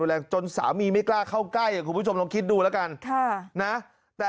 แรงจนสามีไม่กล้าเข้าใกล้คุณผู้ชมลองคิดดูแล้วกันค่ะนะแต่